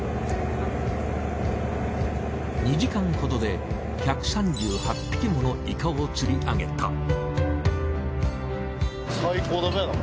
２時間ほどで１３８匹ものイカを釣り上げた。